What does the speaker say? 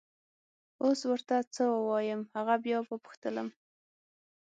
اوس ور ته څه ووایم! هغه بیا وپوښتلم.